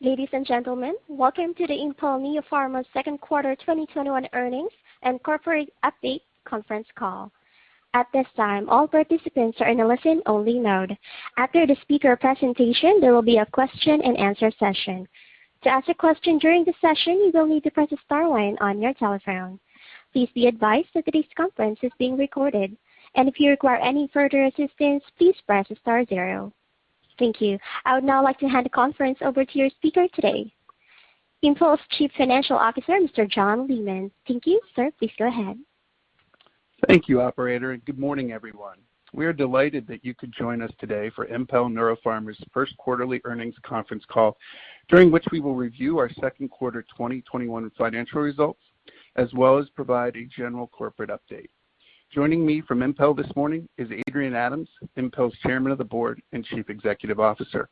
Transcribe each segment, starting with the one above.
Ladies and gentlemen, welcome to the Impel NeuroPharma second quarter 2021 earnings and corporate update conference call. At this time, all participants are in a listen-only mode. After the speaker presentation, there will be a question and answer session. To ask a question during the session, you will need to press star one on your telephone. Please be advised that today's conference is being recorded. If you require any further assistance, please press star zero. Thank you. I would now like to hand the conference over to your speaker today, Impel's Chief Financial Officer, Mr. John Leaman. Thank you. Sir, please go ahead. Thank you, operator, and good morning, everyone. We are delighted that you could join us today for Impel NeuroPharma's first quarterly earnings conference call, during which we will review our second quarter 2021 financial results, as well as provide a general corporate update. Joining me from Impel this morning is Adrian Adams, Impel's Chairman of the Board and Chief Executive Officer.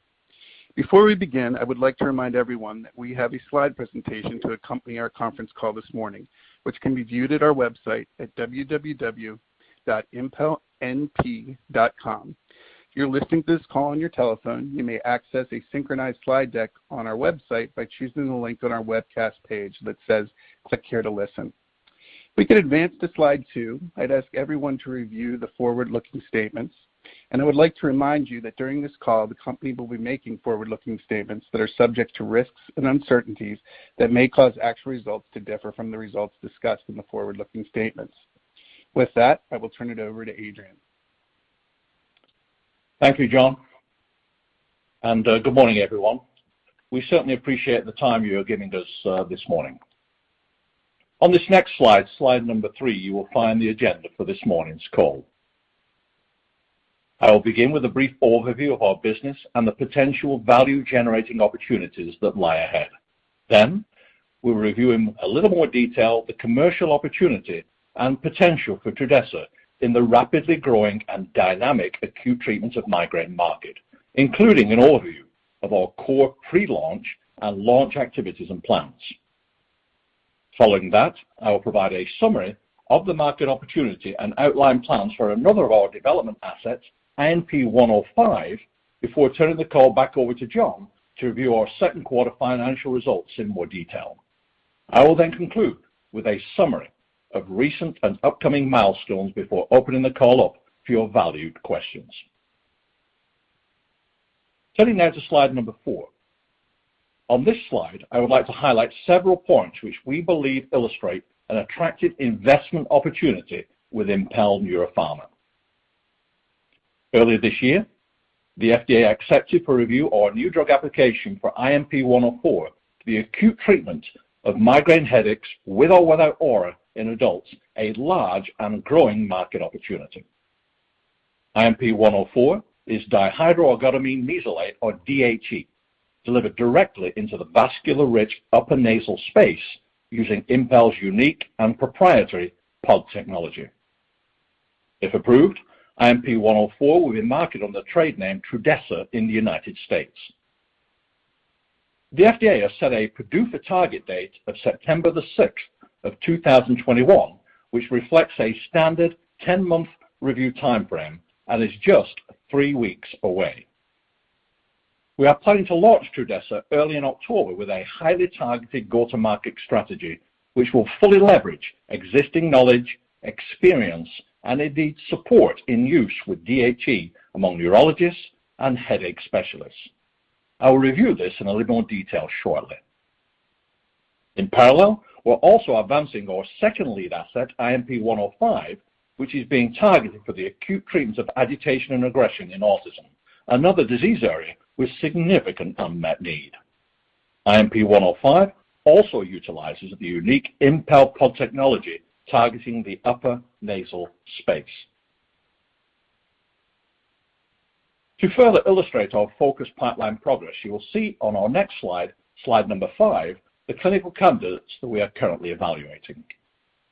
Before we begin, I would like to remind everyone that we have a slide presentation to accompany our conference call this morning, which can be viewed at our website at www.impelnp.com. If you're listening to this call on your telephone, you may access a synchronized slide deck on our website by choosing the link on our webcast page that says, "Click here to listen." If we could advance to slide two, I'd ask everyone to review the forward-looking statements, and I would like to remind you that during this call, the company will be making forward-looking statements that are subject to risks and uncertainties that may cause actual results to differ from the results discussed in the forward-looking statements. With that, I will turn it over to Adrian. Thank you, John. Good morning, everyone. We certainly appreciate the time you are giving us this morning. On this next slide number three, you will find the agenda for this morning's call. I will begin with a brief overview of our business and the potential value-generating opportunities that lie ahead. We'll review in a little more detail the commercial opportunity and potential for TRUDHESA in the rapidly growing and dynamic acute treatment of migraine market, including an overview of our core pre-launch and launch activities and plans. Following that, I will provide a summary of the market opportunity and outline plans for another of our development assets, INP-105, before turning the call back over to John to review our second quarter financial results in more detail. I will then conclude with a summary of recent and upcoming milestones before opening the call up for your valued questions. Turning now to slide number four. On this slide, I would like to highlight several points which we believe illustrate an attractive investment opportunity with Impel NeuroPharma. Earlier this year, the FDA accepted for review our new drug application for INP-104 for the acute treatment of migraine headaches with or without aura in adults, a large and growing market opportunity. INP-104 is dihydroergotamine mesylate or DHE, delivered directly into the vascular-rich upper nasal space using Impel's unique and proprietary POD technology. If approved, INP-104 will be marketed under the trade name TRUDHESA in the United States. The FDA has set a PDUFA target date of September the 6th, of 2021, which reflects a standard 10-month review timeframe and is just three weeks away. We are planning to launch TRUDHESA early in October with a highly targeted go-to-market strategy, which will fully leverage existing knowledge, experience, and indeed, support in use with DHE among neurologists and headache specialists. I will review this in a little more detail shortly. In parallel, we're also advancing our second lead asset, INP-105, which is being targeted for the acute treatment of agitation and aggression in autism, another disease area with significant unmet need. INP-105 also utilizes the unique Impel POD technology targeting the upper nasal space. To further illustrate our focused pipeline progress, you will see on our next slide number five, the clinical candidates that we are currently evaluating.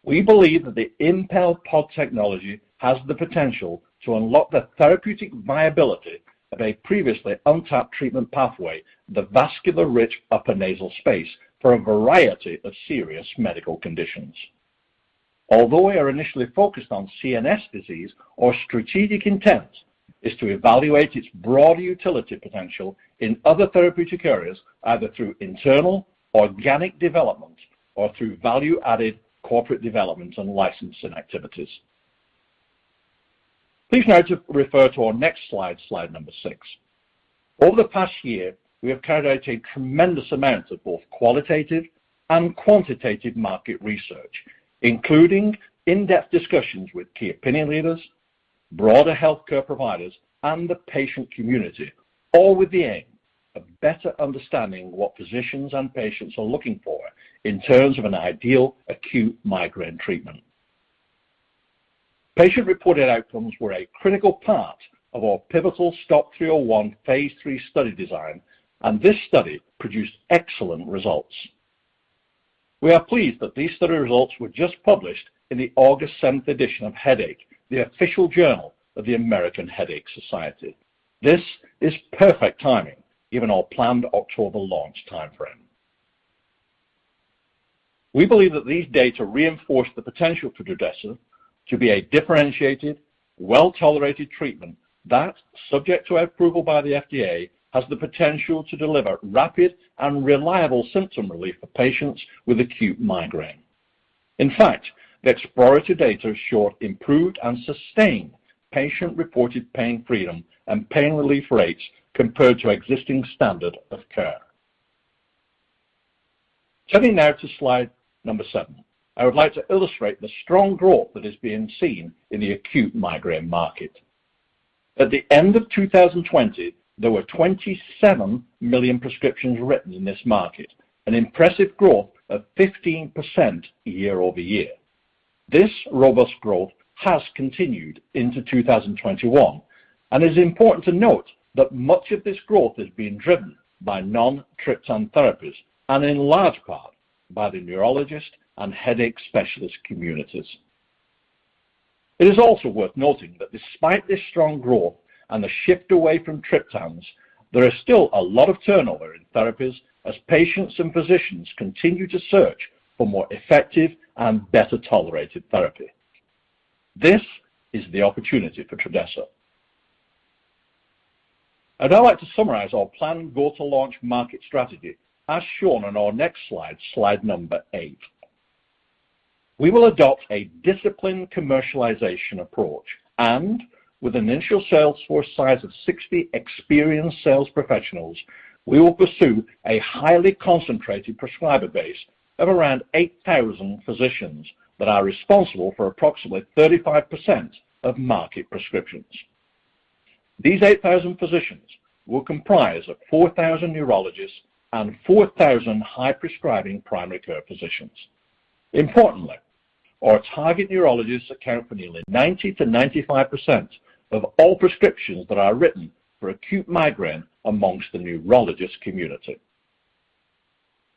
We believe that the Impel POD technology has the potential to unlock the therapeutic viability of a previously untapped treatment pathway, the vascular-rich upper nasal space, for a variety of serious medical conditions. Although we are initially focused on CNS disease, our strategic intent is to evaluate its broad utility potential in other therapeutic areas, either through internal organic development or through value-added corporate development and licensing activities. Please now refer to our next slide number six. Over the past year, we have carried out a tremendous amount of both qualitative and quantitative market research, including in-depth discussions with key opinion leaders, broader healthcare providers, and the patient community, all with the aim of better understanding what physicians and patients are looking for in terms of an ideal acute migraine treatment. Patient-reported outcomes were a critical part of our pivotal STOP 301 phase III study design, and this study produced excellent results. We are pleased that these study results were just published in the August 7th edition of Headache, the official journal of the American Headache Society. This is perfect timing given our planned October launch timeframe. We believe that these data reinforce the potential for TRUDHESA to be a differentiated, well-tolerated treatment that, subject to approval by the FDA, has the potential to deliver rapid and reliable symptom relief for patients with acute migraine. The exploratory data show improved and sustained patient-reported pain freedom and pain relief rates compared to existing standard of care. Turning now to slide number seven, I would like to illustrate the strong growth that is being seen in the acute migraine market. At the end of 2020, there were 27 million prescriptions written in this market, an impressive growth of 15% year-over-year. This robust growth has continued into 2021, and it is important to note that much of this growth is being driven by non-triptan therapies, and in large part, by the neurologist and headache specialist communities. It is also worth noting that despite this strong growth and the shift away from triptans, there is still a lot of turnover in therapies as patients and physicians continue to search for more effective and better-tolerated therapy. This is the opportunity for TRUDHESA. I'd now like to summarize our planned go-to-launch market strategy, as shown on our next slide number eight. We will adopt a disciplined commercialization approach, and with an initial sales force size of 60 experienced sales professionals, we will pursue a highly concentrated prescriber base of around 8,000 physicians that are responsible for approximate 35% of market prescriptions. These 8,000 physicians will comprise of 4,000 neurologists and 4,000 high-prescribing primary care physicians. Importantly, our target neurologists account for nearly 90%-95% of all prescriptions that are written for acute migraine amongst the neurologist community.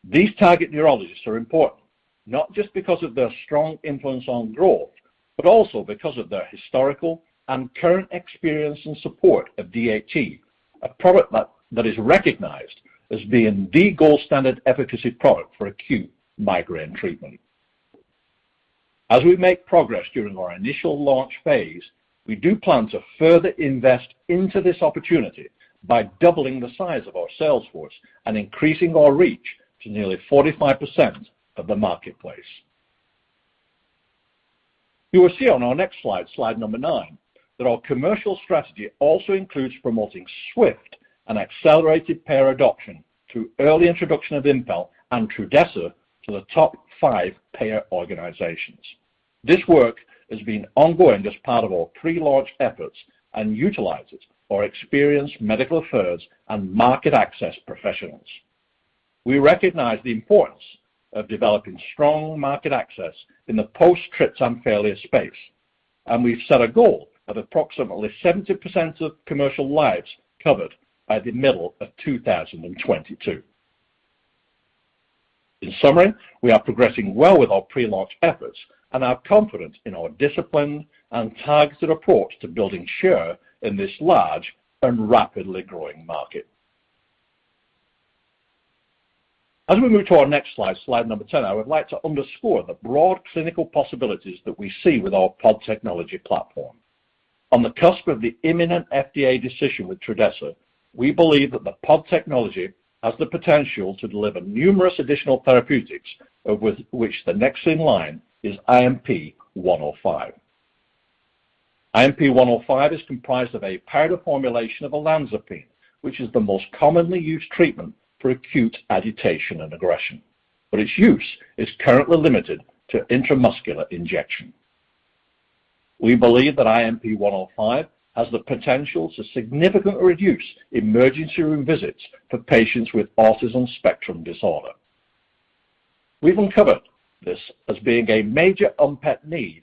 These target neurologists are important, not just because of their strong influence on growth, but also because of their historical and current experience and support of DHE, a product that is recognized as being the gold standard efficacy product for acute migraine treatment. As we make progress during our initial launch phase, we do plan to further invest into this opportunity by doubling the size of our sales force and increasing our reach to nearly 45% of the marketplace. You will see on our next slide number nine, that our commercial strategy also includes promoting swift and accelerated payer adoption through early introduction of Impel and TRUDHESA to the top five payer organizations. This work has been ongoing as part of our pre-launch efforts and utilizes our experienced medical affairs and market access professionals. We recognize the importance of developing strong market access in the post-triptan failure space, and we've set a goal of approximately 70% of commercial lives covered by the middle of 2022. In summary, we are progressing well with our pre-launch efforts and are confident in our disciplined and targeted approach to building share in this large and rapidly growing market. As we move to our next slide number 10, I would like to underscore the broad clinical possibilities that we see with our POD technology platform. On the cusp of the imminent FDA decision with TRUDHESA, we believe that the POD technology has the potential to deliver numerous additional therapeutics, of which the next in line is INP-105. INP-105 is comprised of a powder formulation of olanzapine, which is the most commonly used treatment for acute agitation and aggression, but its use is currently limited to intramuscular injection. We believe that INP-105 has the potential to significantly reduce emergency room visits for patients with autism spectrum disorder. We've uncovered this as being a major unmet need,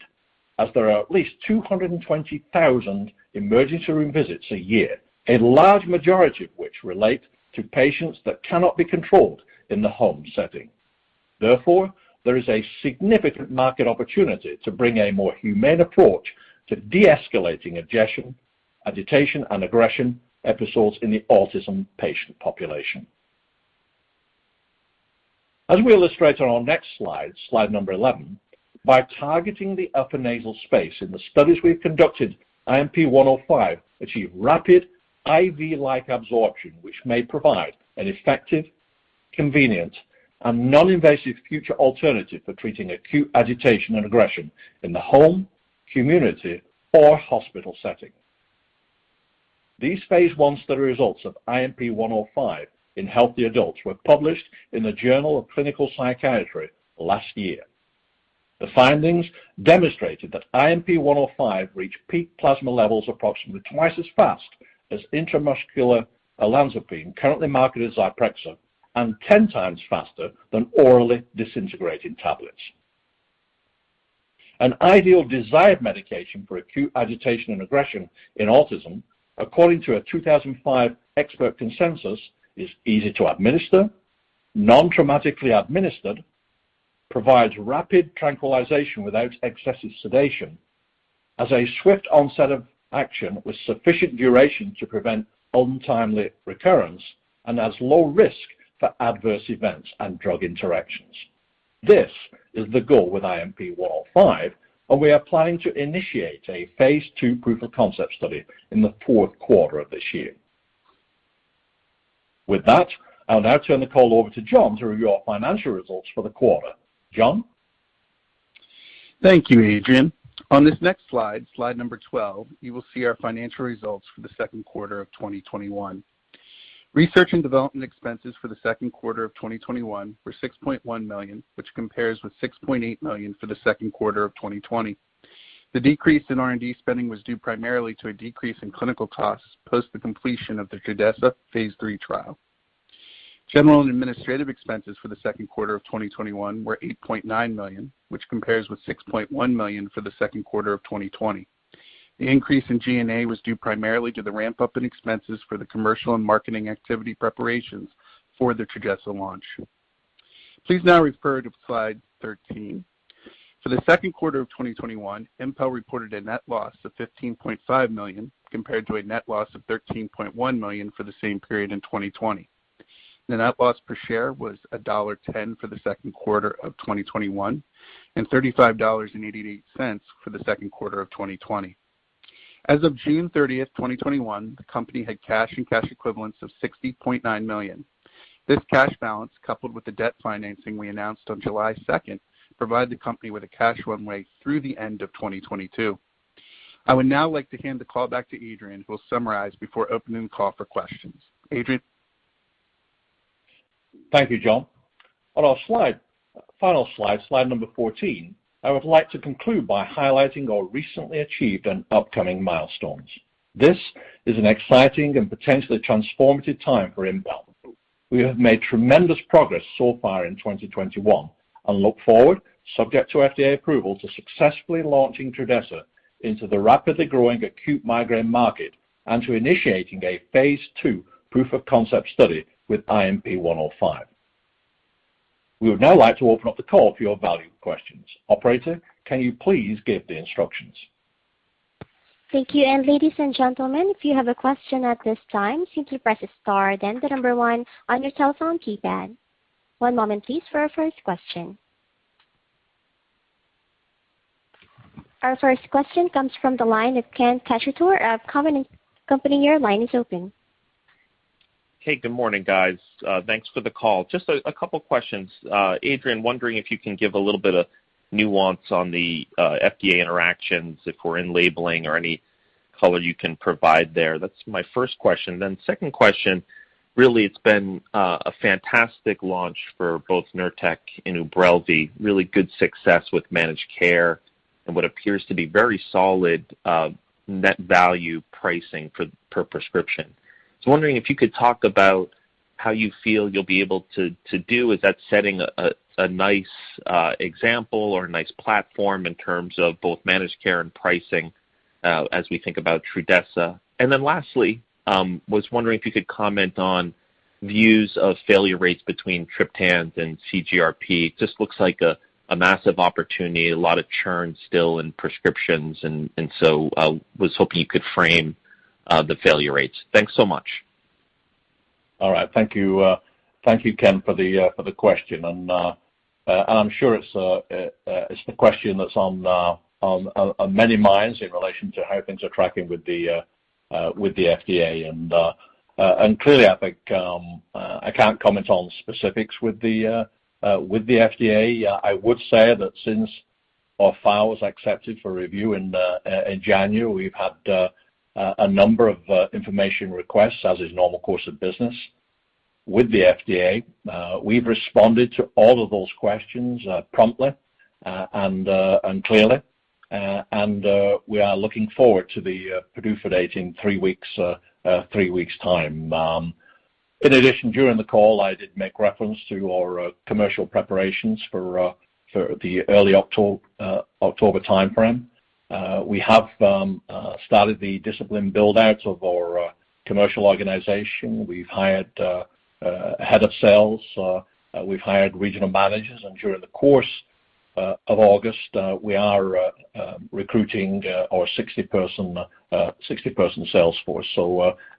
as there are at least 220,000 emergency room visits a year, a large majority of which relate to patients that cannot be controlled in the home setting. Therefore, there is a significant market opportunity to bring a more humane approach to de-escalating agitation, and aggression episodes in the autism patient population. As we illustrate on our next slide number 11, by targeting the upper nasal space in the studies we've conducted, INP-105 achieved rapid, IV-like absorption, which may provide an effective, convenient, and non-invasive future alternative for treating acute agitation and aggression in the home, community, or hospital setting. These phase I study results of INP-105 in healthy adults were published in "The Journal of Clinical Psychiatry" last year. The findings demonstrated that INP-105 reached peak plasma levels approximately twice as fast as intramuscular olanzapine, currently marketed as ZYPREXA, and ten times faster than orally disintegrating tablets. An ideal desired medication for acute agitation and aggression in autism, according to a 2005 expert consensus, is easy to administer, non-traumatically administered, provides rapid tranquilization without excessive sedation. Has a swift onset of action with sufficient duration to prevent untimely recurrence and has low risk for adverse events and drug interactions. This is the goal with INP-105, and we are planning to initiate a phase II proof of concept study in the fourth quarter of this year. With that, I'll now turn the call over to John to review our financial results for the quarter. John? Thank you, Adrian. On this next slide, slide number 12, you will see our financial results for the second quarter of 2021. Research and development expenses for the second quarter of 2021 were $6.1 million, which compares with $6.8 million for the second quarter of 2020. The decrease in R&D spending was due primarily to a decrease in clinical costs post the completion of the TRUDHESA phase III trial. General and administrative expenses for the second quarter of 2021 were $8.9 million, which compares with $6.1 million for the second quarter of 2020. The increase in G&A was due primarily to the ramp-up in expenses for the commercial and marketing activity preparations for the TRUDHESA launch. Please now refer to slide 13. For the second quarter of 2021, Impel reported a net loss of $15.5 million, compared to a net loss of $13.1 million for the same period in 2020. The net loss per share was $1.10 for the second quarter of 2021, and $35.88 for the second quarter of 2020. As of June 30th, 2021, the company had cash and cash equivalents of $60.9 million. This cash balance, coupled with the debt financing we announced on July 2nd, provide the company with a cash runway through the end of 2022. I would now like to hand the call back to Adrian, who will summarize before opening the call for questions. Adrian. Thank you, John. On our final slide number 14, I would like to conclude by highlighting our recently achieved and upcoming milestones. This is an exciting and potentially transformative time for Impel. We have made tremendous progress so far in 2021 and look forward, subject to FDA approval, to successfully launching TRUDHESA into the rapidly growing acute migraine market and to initiating a Phase II proof of concept study with INP-105. We would now like to open up the call for your valued questions. Operator, can you please give the instructions? Thank you. Ladies and gentlemen, if you have a question at this time, simply press star then the number one on your telephone keypad. One moment please for our first question. Our first question comes from the line of Ken Cacciatore of Cowen and Company, your line is open. Hey, good morning, guys. Thanks for the call. Just a couple of questions. Adrian, wondering if you can give a little bit of nuance on the FDA interactions, if we're in labeling or any color you can provide there. That's my first question. Second question, really, it's been a fantastic launch for both Nurtec and UBRELVY. Really good success with managed care and what appears to be very solid net value pricing per prescription. I was wondering if you could talk about how you feel you'll be able to do with that setting a nice example or a nice platform in terms of both managed care and pricing as we think about TRUDHESA. Lastly, was wondering if you could comment on views of failure rates between triptans and CGRP. Just looks like a massive opportunity. A lot of churn still in prescriptions, and so I was hoping you could frame the failure rates. Thanks so much. All right. Thank you. Thank you, Ken, for the question. I'm sure it's the question that's on many minds in relation to how things are tracking with the FDA. Clearly, I think I can't comment on specifics with the FDA. I would say that since our file was accepted for review in January, we've had a number of information requests, as is normal course of business, with the FDA. We've responded to all of those questions promptly and clearly. We are looking forward to the PDUFA date in three weeks time. In addition, during the call, I did make reference to our commercial preparations for the early October timeframe. We have started the discipline build-outs of our commercial organization. We've hired a head of sales. We've hired regional managers, and during the course of August, we are recruiting our 60-person sales force.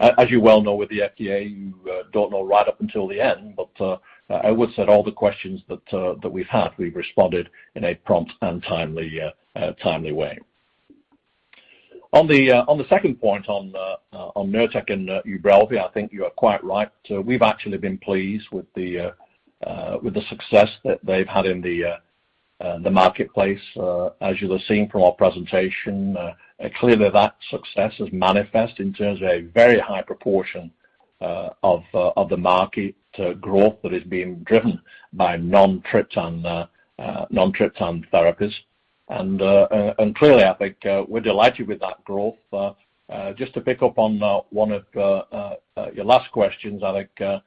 As you well know with the FDA, you don't know right up until the end, but I would say all the questions that we've had, we've responded in a prompt and timely way. On the second point on Nurtec and UBRELVY, I think you are quite right. We've actually been pleased with the success that they've had in the marketplace. As you have seen from our presentation, clearly that success is manifest in terms of a very high proportion of the market growth that is being driven by non-triptan therapies. Clearly, I think we're delighted with that growth. Just to pick up on one of your last questions, I think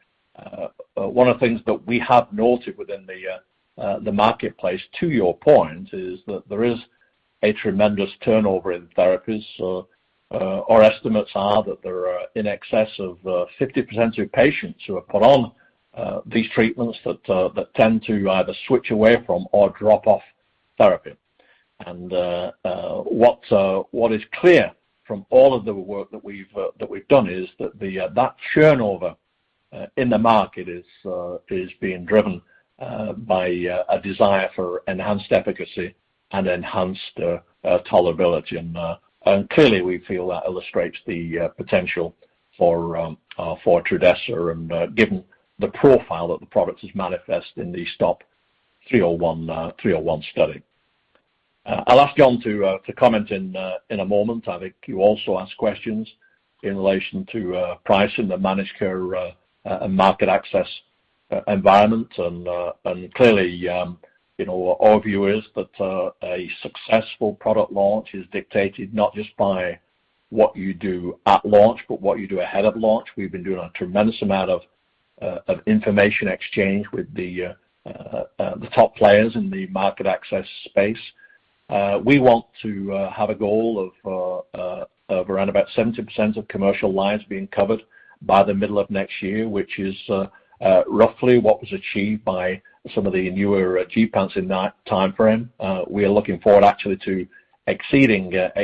one of the things that we have noted within the marketplace, to your point, is that there is a tremendous turnover in therapies. Our estimates are that there are in excess of 50% of patients who are put on these treatments that tend to either switch away from or drop off therapy. What is clear from all of the work that we've done is that turnover in the market is being driven by a desire for enhanced efficacy and enhanced tolerability. Clearly, we feel that illustrates the potential for TRUDHESA, and given the profile that the product has manifest in the STOP 301 study. I'll ask John to comment in a moment. I think you also asked questions in relation to pricing, the managed care, and market access environment. Clearly, our view is that a successful product launch is dictated not just by what you do at launch, but what you do ahead of launch. We've been doing a tremendous amount of information exchange with the top players in the market access space. We want to have a goal of around about 70% of commercial lines being covered by the middle of next year, which is roughly what was achieved by some of the newer gepants in that timeframe. We are looking forward, actually, to exceeding that.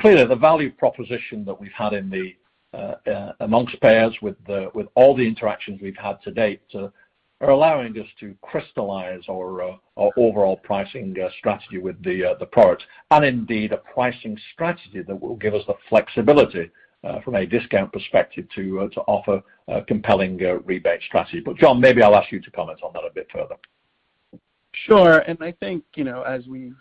Clearly, the value proposition that we've had amongst payers with all the interactions we've had to date are allowing us to crystallize our overall pricing strategy with the product. Indeed, a pricing strategy that will give us the flexibility from a discount perspective to offer a compelling rebate strategy. John, maybe I'll ask you to comment on that a bit further. Sure. I think, as we've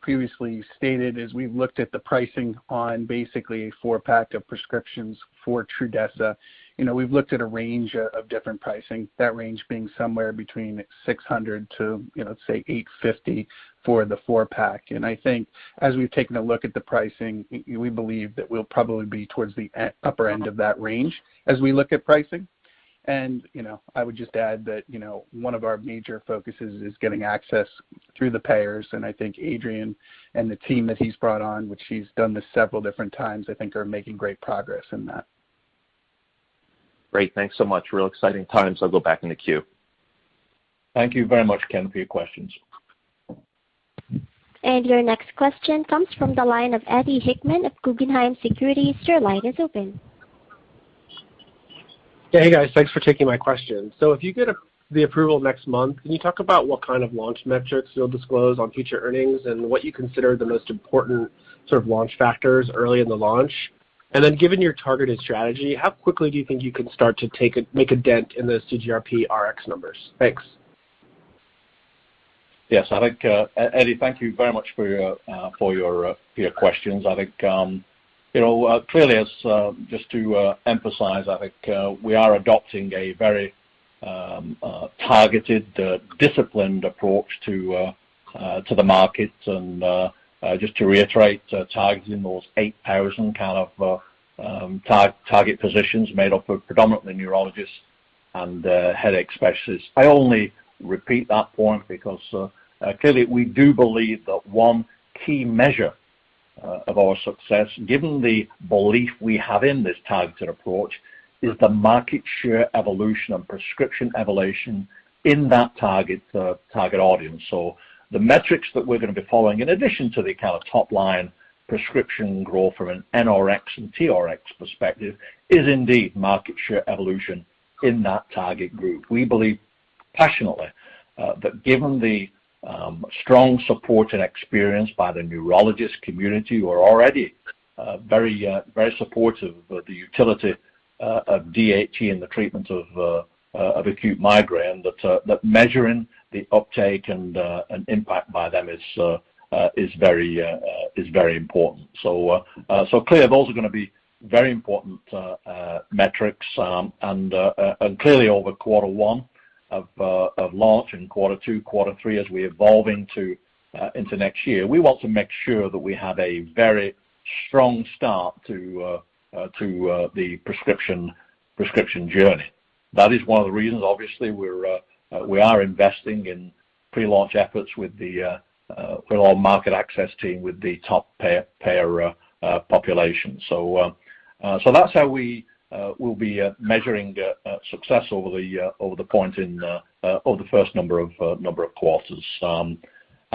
previously stated, as we've looked at the pricing on basically a four-pack of prescriptions for TRUDHESA. We've looked at a range of different pricing, that range being somewhere between $600-$850 for the four-pack. I think as we've taken a look at the pricing, we believe that we'll probably be towards the upper end of that range as we look at pricing. I would just add that one of our major focuses is getting access through the payers. I think Adrian and the team that he's brought on, which he's done this several different times, I think, are making great progress in that. Great. Thanks so much. Real exciting times. I'll go back in the queue. Thank you very much, Ken, for your questions. Your next question comes from the line of Eddie Hickman of Guggenheim Securities. Your line is open. Hey, guys. Thanks for taking my question. If you get the approval next month, can you talk about what kind of launch metrics you'll disclose on future earnings and what you consider the most important sort of launch factors early in the launch? Given your targeted strategy, how quickly do you think you can start to make a dent in those CGRP Rx numbers? Thanks. Yes. Eddie, thank you very much for your questions. Just to emphasize, I think we are adopting a very targeted, disciplined approach to the market. Just to reiterate, targeting those 8,000 target positions made up of predominantly neurologists and headache specialists. I only repeat that point because clearly we do believe that one key measure of our success, given the belief we have in this targeted approach, is the market share evolution and prescription evolution in that target audience. The metrics that we're going to be following, in addition to the top-line prescription growth from an NRX and TRX perspective, is indeed market share evolution in that target group. We believe passionately that given the strong support and experience by the neurologist community, who are already very supportive of the utility of DHE in the treatment of acute migraine, that measuring the uptake and impact by them is very important. Clearly, those are going to be very important metrics. Clearly over quarter one of launch and quarter two, quarter three, as we evolve into next year, we want to make sure that we have a very strong start to the prescription journey. That is one of the reasons, obviously, we are investing in pre-launch efforts with our market access team, with the top payer population. That's how we will be measuring success over the first number of quarters. Clearly,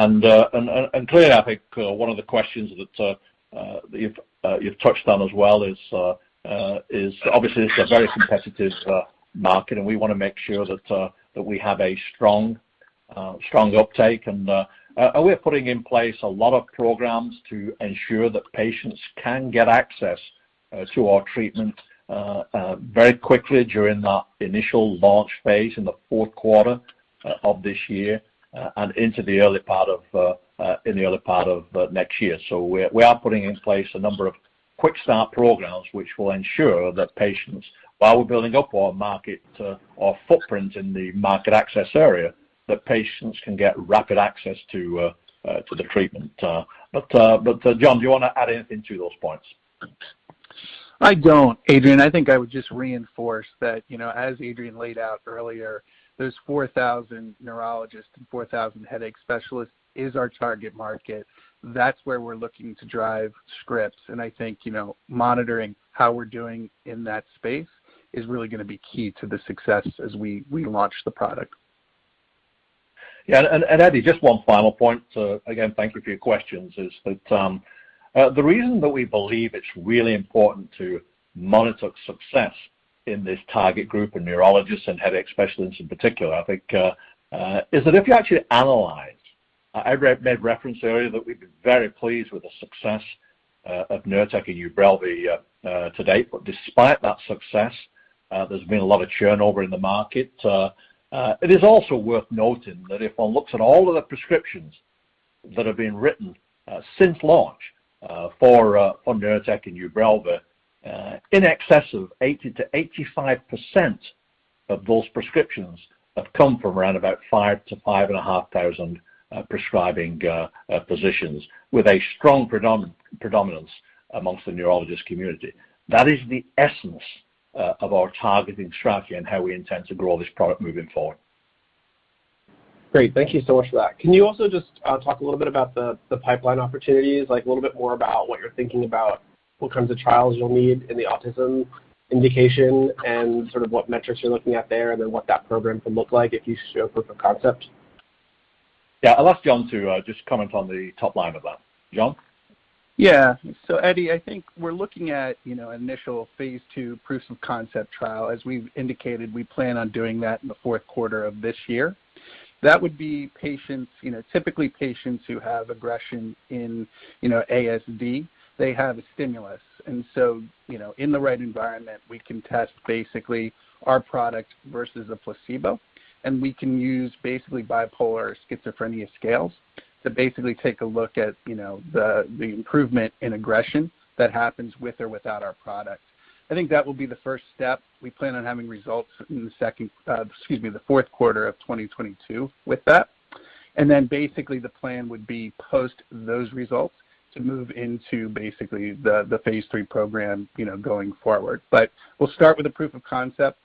I think one of the questions that you've touched on as well is obviously it's a very competitive market, and we want to make sure that we have a strong uptake. We're putting in place a lot of programs to ensure that patients can get access to our treatment very quickly during that initial launch phase in the fourth quarter of this year and into the early part of next year. We are putting in place a number of quick start programs, which will ensure that while we're building up our footprint in the market access area, that patients can get rapid access to the treatment. John, do you want to add anything to those points? I don't, Adrian. I think I would just reinforce that, as Adrian laid out earlier, those 4,000 neurologists and 4,000 headache specialists is our target market. That's where we're looking to drive scripts. I think monitoring how we're doing in that space is really going to be key to the success as we launch the product. Eddie, just one final point. Again, thank you for your questions, is that the reason that we believe it's really important to monitor success in this target group of neurologists and headache specialists in particular, I think, is that if you actually analyze, I made reference earlier that we've been very pleased with the success of Nurtec and UBRELVY to date. Despite that success, there's been a lot of churn over in the market. It is also worth noting that if one looks at all of the prescriptions that have been written since launch for Nurtec and UBRELVY, in excess of 80%-85% of those prescriptions have come from around about 5,000-5,500 prescribing physicians, with a strong predominance amongst the neurologist community. That is the essence of our targeting strategy and how we intend to grow this product moving forward. Great. Thank you so much for that. Can you also just talk a little bit about the pipeline opportunities, like a little bit more about what you're thinking about, what kinds of trials you'll need in the autism indication, and sort of what metrics you're looking at there, and then what that program can look like if you show proof of concept? Yeah. I'll ask John to just comment on the top line of that. John? Eddie, I think we're looking at initial phase II proof-of-concept trial. As we've indicated, we plan on doing that in the fourth quarter of this year. That would be typically patients who have aggression in ASD. They have a stimulus. In the right environment, we can test basically our product versus a placebo, and we can use basically bipolar schizophrenia scales to basically take a look at the improvement in aggression that happens with or without our product. I think that will be the first step. We plan on having results in the fourth quarter of 2022 with that. Basically the plan would be post those results to move into basically the phase III program going forward. We'll start with the proof of concept.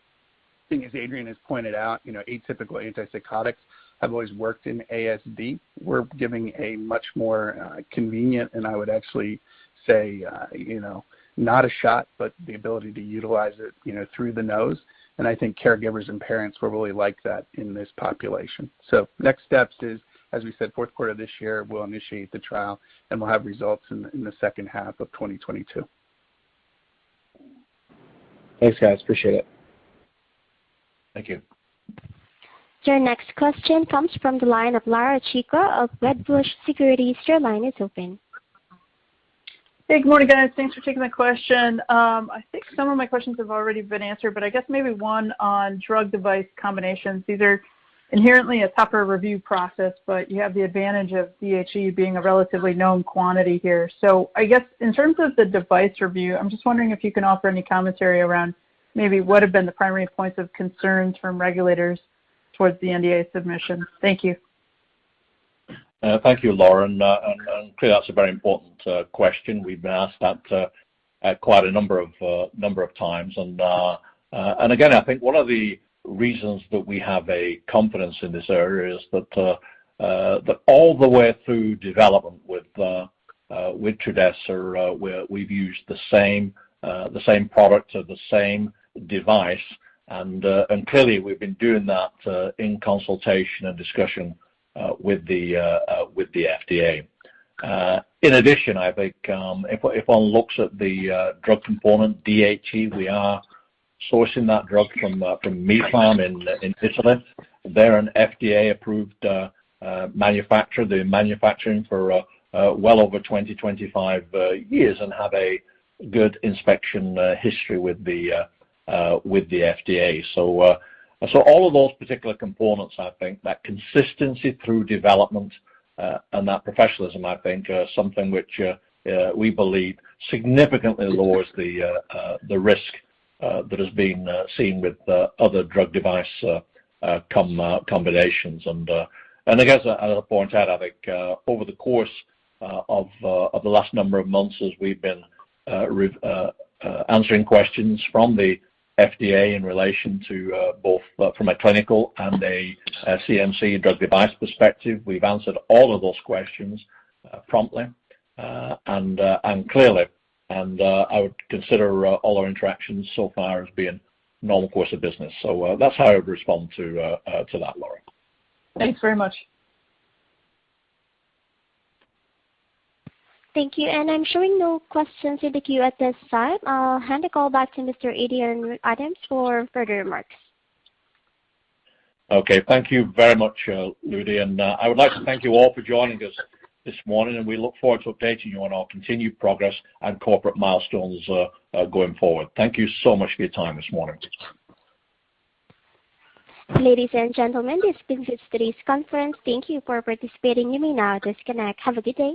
I think as Adrian has pointed out, atypical antipsychotics have always worked in ASD. We're giving a much more convenient, and I would actually say, not a shot, but the ability to utilize it through the nose. And I think caregivers and parents will really like that in this population. Next steps is, as we said, fourth quarter of this year, we'll initiate the trial, and we'll have results in the second half of 2022. Thanks, guys. Appreciate it. Thank you. Your next question comes from the line of Laura Chico of Wedbush Securities. Your line is open. Hey, good morning, guys. Thanks for taking my question. I think some of my questions have already been answered, but I guess maybe one on drug device combinations. These are inherently a tougher review process, but you have the advantage of DHE being a relatively known quantity here. I guess in terms of the device review, I'm just wondering if you can offer any commentary around maybe what have been the primary points of concerns from regulators towards the NDA submission. Thank you. Thank you, Laura. Clearly, that's a very important question. We've been asked that quite a number of times. Again, I think one of the reasons that we have a confidence in this area is that all the way through development with TRUDHESA, we've used the same product or the same device. Clearly, we've been doing that in consultation and discussion with the FDA. In addition, I think if one looks at the drug component, DHE, we are sourcing that drug from Mipharm in Italy. They're an FDA-approved manufacturer. They've been manufacturing for well over 20, 25 years and have a good inspection history with the FDA. All of those particular components, I think that consistency through development and that professionalism, I think, are something which we believe significantly lowers the risk that has been seen with other drug device combinations. I guess I'll point out, I think, over the course of the last number of months as we've been answering questions from the FDA in relation to both from a clinical and a CMC drug device perspective, we've answered all of those questions promptly and clearly. I would consider all our interactions so far as being normal course of business. That's how I would respond to that, Laura. Thanks very much. Thank you. I'm showing no questions in the queue at this time. I'll hand the call back to Mr. Adrian Adams for further remarks. Okay. Thank you very much, Ludie. I would like to thank you all for joining us this morning, and we look forward to updating you on our continued progress and corporate milestones going forward. Thank you so much for your time this morning. Ladies and gentlemen, this has been today's conference. Thank you for participating. You may now disconnect. Have a good day.